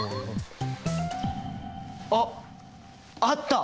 あっ！